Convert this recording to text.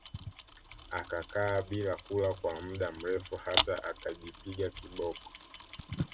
Akakaa bila kula kwa mda mrefu hata akajipiga kiboko